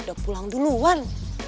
udah pulang duluan